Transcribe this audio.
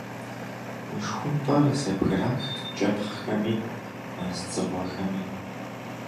Мышхумпӏэр зэбгырах кӏэпхъхэми, мэз дзыгъуэхэми.